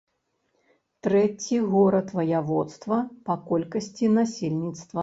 Трэці горад ваяводства па колькасці насельніцтва.